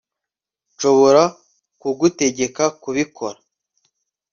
Nshobora kugutegeka kubikora